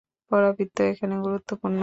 পরাবৃত্ত এখানে গুরুত্বপূর্ণ।